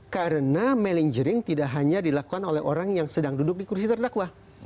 karena melinggering tidak hanya dilakukan oleh orang yang sedang duduk di kursi terdakwa